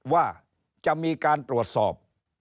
ว่าจะมีการตรวจสอบ